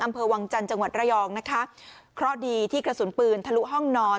อำเภอวังจันทร์จังหวัดระยองนะคะเพราะดีที่กระสุนปืนทะลุห้องนอน